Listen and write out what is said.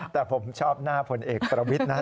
แต่ผมชอบหน้าผลเอกประวิทย์นะ